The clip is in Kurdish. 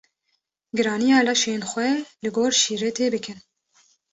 giraniya laşên xwe li gor şîretê bikin.